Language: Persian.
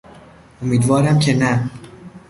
امیدوارم که نه!